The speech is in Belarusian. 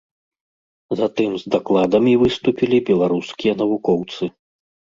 Затым з дакладамі выступілі беларускія навукоўцы.